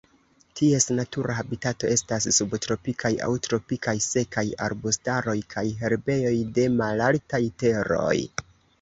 Ties natura habitato estas subtropikaj aŭ tropikaj sekaj arbustaroj kaj herbejoj de malaltaj teroj.